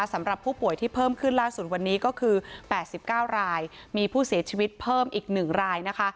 สำหรับผู้ป่วยที่เพิ่มขึ้นล่าสุดวันนี้ก็คือ๘๙รายมีผู้เสียชีวิตเพิ่มอีก๑รายนะคะ